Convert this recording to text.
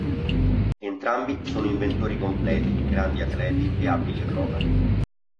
Entrambi sono inventori completi, grandi atleti, e abili acrobati.